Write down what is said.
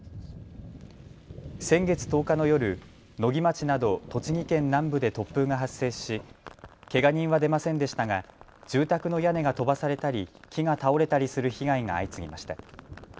先月１０日の夜、野木町など栃木県南部で突風が発生しけが人は出ませんでしたが住宅の屋根が飛ばされたり木が倒れたりする被害が相次ぎました。